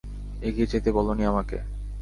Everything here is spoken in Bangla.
এগিয়ে যেতে বলোনি আমাকে?